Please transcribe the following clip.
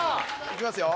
いきますよ。